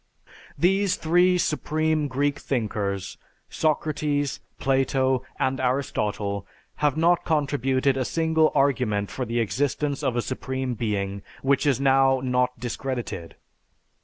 These three supreme Greek thinkers, Socrates, Plato, and Aristotle, have not contributed a single argument for the existence of a supreme being which is now not discredited.